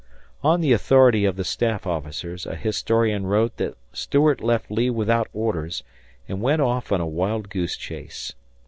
On the authority of the staff officers, a historian wrote that Stuart left Lee without orders and went off on a wild goose chase.